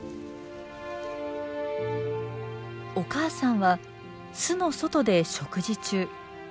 お母さんは巣の外で食事中。